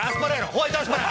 ホワイトアスパラ！